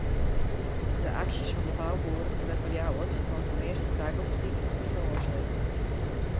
De aksjes fan de bouboeren treffe Ljouwert want de measte tagongsdiken binne ôfsletten.